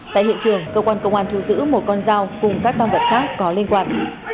tại hiện trường cơ quan công an thu giữ một con dao cùng các tăng vật khác có liên quan